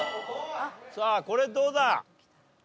さあこれどうだ？